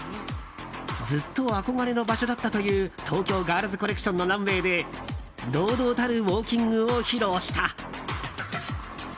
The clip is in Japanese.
ずっと憧れの場所だったという東京ガールズコレクションのランウェーで堂々たるウォーキングを披露した。